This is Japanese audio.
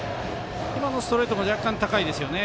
ストレートも若干、高いですね。